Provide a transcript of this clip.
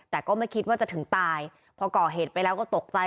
แต่ก็ไม่คิดว่าจะถึงตายพอก่อเหตุไปแล้วก็ตกใจ